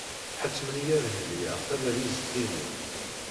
Ḥettmen-iyi ad ledyeɣ tabalizt-inu.